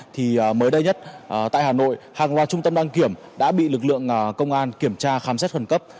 thì mới đây nhất tại hà nội hàng loạt trung tâm đăng kiểm đã bị lực lượng công an kiểm tra khám xét khẩn cấp